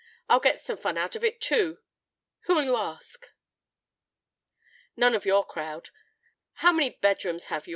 I'll get some fun out of it, too. Who'll you ask?" "None of your crowd. How many bedrooms have you?